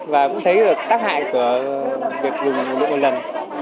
và cũng thấy được tác hại của việc dùng nhựa một lần